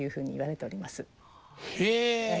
へえ。